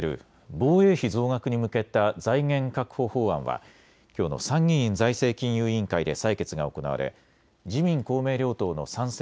防衛費増額に向けた財源確保法案はきょうの参議院財政金融委員会で採決が行われ自民公明両党の賛成